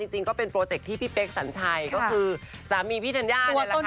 จริงก็เป็นโปรเจคที่พี่เป๊กสัญชัยก็คือสามีพี่ธัญญานี่แหละค่ะ